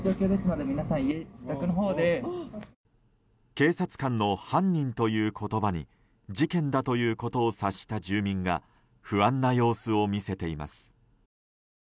警察官の「犯人」という言葉に事件だということを察した住民が不安な様子を見せています。